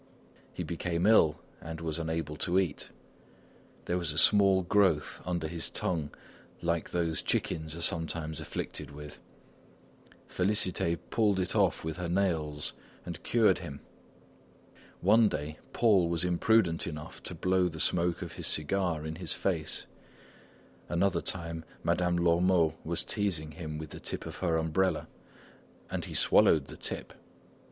He became ill and was unable to eat. There was a small growth under his tongue like those chickens are sometimes afflicted with. Félicité pulled it off with her nails and cured him. One day, Paul was imprudent enough to blow the smoke of his cigar in his face; another time, Madame Lormeau was teasing him with the tip of her umbrella and he swallowed the tip.